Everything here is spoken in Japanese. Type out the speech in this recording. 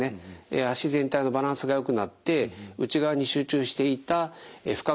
足全体のバランスがよくなって内側に集中していた負荷がですね